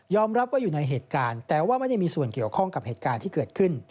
รับว่าอยู่ในเหตุการณ์แต่ว่าไม่ได้มีส่วนเกี่ยวข้องกับเหตุการณ์ที่เกิดขึ้น